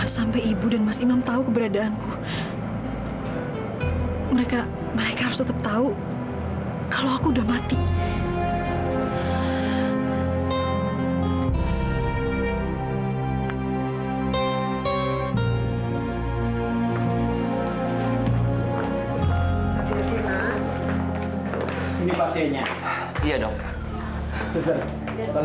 sampai jumpa di video selanjutnya